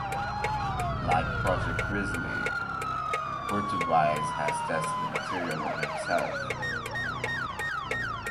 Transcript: Like Project Grizzly, Hurtubise has tested the material on himself.